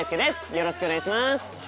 よろしくお願いします。